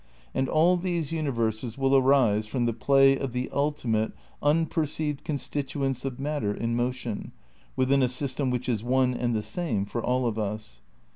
And all these universes will arise from the play of the ulti mate, unperceived constituents of matter in motion within a system which is one and the same for all of us.